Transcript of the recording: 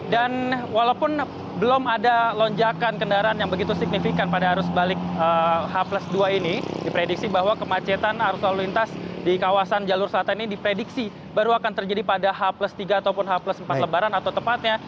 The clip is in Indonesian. dan walaupun belum ada lonjakan kendaraan yang begitu signifikan pada arus balik h dua ini diprediksi bahwa kemacetan arus lalu lintas di kawasan jalur selatan ini diprediksi baru akan terjadi pada h tiga atau h empat lebaran atau tepatnya